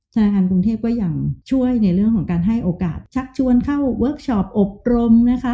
ธนาคารกรุงเทพก็ยังช่วยในเรื่องของการให้โอกาสชักชวนเข้าเวิร์คชอปอบรมนะคะ